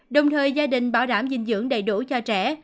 đồng thời gia đình bảo đảm dinh dưỡng đầy đủ cho trẻ